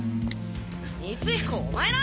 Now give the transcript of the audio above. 光彦お前な！